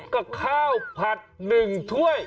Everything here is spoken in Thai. ก็ข้าวผัดหนึ่งถ้วย